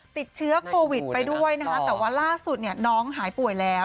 ติดเชื้อโควิดไปด้วยนะคะแต่ว่าล่าสุดเนี่ยน้องหายป่วยแล้ว